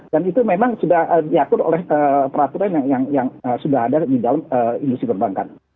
dan itu memang sudah diatur oleh peraturan yang sudah ada di dalam industri perbankan